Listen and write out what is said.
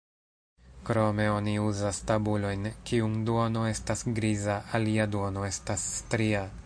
Krome oni uzas tabulojn, kiun duono estas griza, alia duono estas stria.